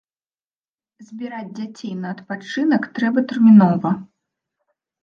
Збіраць дзяцей на адпачынак трэба тэрмінова.